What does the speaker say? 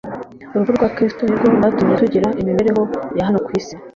Urupfu rwa Kristo ni rwo rwatumye tugira imibereho ya hano ku isi.